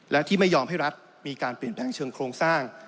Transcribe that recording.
และที่ไม่ยอมให้รัฐมีการเปลี่ยนแปลงเชิงโครงสร้าง